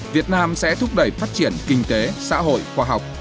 việt nam sẽ thúc đẩy phát triển kinh tế xã hội khoa học